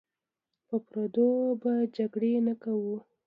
په پردو به جرګې نه کوو.